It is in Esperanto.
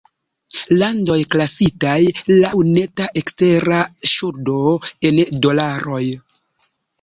Landoj klasitaj "laŭ neta ekstera ŝuldo"', en dolaroj.